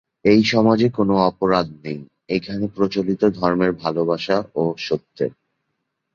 এই সমাজে কোন অপরাধ নেই, এখানে প্রচলিত ধর্ম 'ভালোবাসা ও সত্যের'।